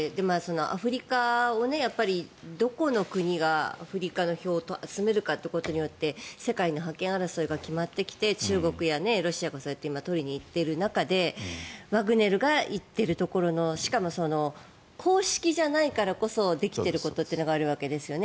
アフリカをどこの国がアフリカの票を集めるかということによって世界の覇権争いが決まってきて中国やロシアがそうやって今取りに行っている中でワグネルが行っているところのしかも公式じゃないからこそできていることがあるわけですよね。